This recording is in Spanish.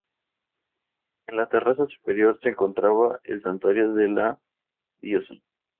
En la terraza superior se encontraba el santuario de la diosa.